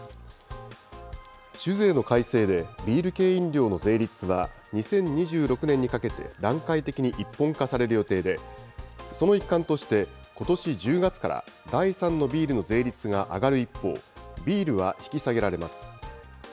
酒税の改正で、ビール系飲料の税率は、２０２６年にかけて段階的に一本化される予定で、その一環として、ことし１０月から第３のビールの税率が上がる一方、ビールは引き下げられます。